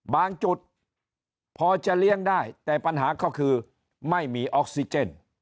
บางจุดพอจะเลี้ยงได้แต่ปัญหาก็คือไม่มีออกซิเจน